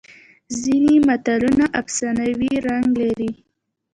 ځینې متلونه افسانوي رنګ لري